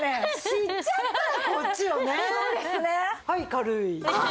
はい軽い！